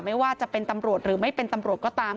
ไม่ว่าจะเป็นตำรวจหรือไม่เป็นตำรวจก็ตาม